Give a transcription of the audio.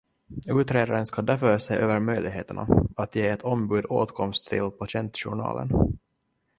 Utredaren ska därför se över möjligheterna att ge ett ombud åtkomst till patientjournalen.